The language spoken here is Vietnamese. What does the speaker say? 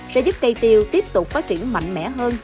sẽ giúp cây tiêu tiếp tục phát triển mạnh mẽ hơn